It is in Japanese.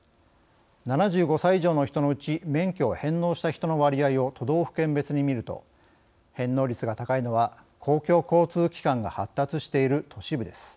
７５歳以上の人のうち免許を返納した人の割合を都道府県別に見ると返納率が高いのは公共交通機関が発達している都市部です。